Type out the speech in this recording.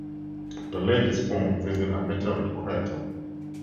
The lake is formed within a meteorite crater.